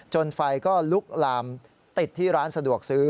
ไฟก็ลุกลามติดที่ร้านสะดวกซื้อ